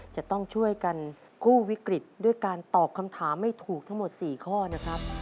จะต้องช่วยกันกู้วิกฤตด้วยการตอบคำถามให้ถูกทั้งหมด๔ข้อนะครับ